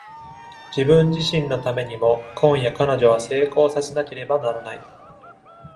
自分自身のためにも、今夜彼女は成功させなければならない。